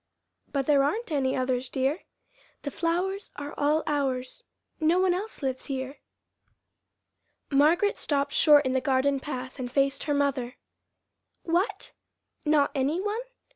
"But there aren't any others, dear. The flowers are all ours. No one else lives here." Margaret stopped short in the garden path and faced her mother. "What, not any one?